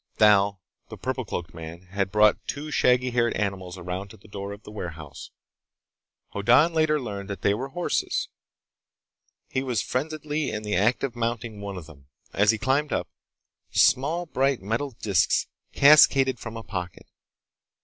Thal, the purple cloaked man, had brought two shaggy haired animals around to the door of the warehouse. Hoddan later learned that they were horses. He was frenziedly in the act of mounting one of them. As he climbed up, small bright metal disks cascaded from a pocket.